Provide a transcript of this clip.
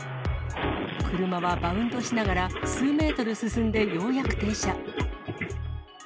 車はバウンドしながら、数メートル進んでようやく停車。